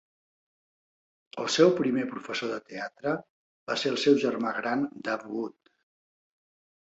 El seu primer professor de teatre va ser el seu germà gran, Davood.